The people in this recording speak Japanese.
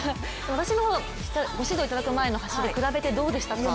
私のご指導いただく前の走り、比べてどうでしたか？